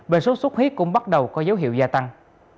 bệnh sốt xuất huyết cũng bắt đầu có dấu hiệu gia tăng